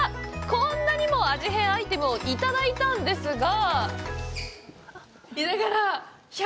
こんなにも味変アイテムをいただいたのですが。